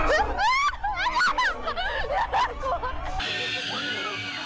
やだ、怖い。